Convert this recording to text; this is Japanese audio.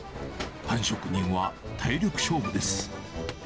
パン職人は体力勝負です。